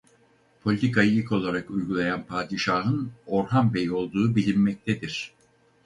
Politikayı ilk olarak uygulayan padişahın Orhan Bey olduğu bilinmektedir.